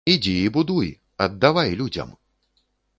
Ідзі і будуй, аддавай людзям.